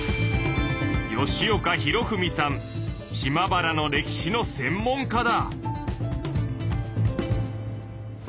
島原の歴史の専門家だ。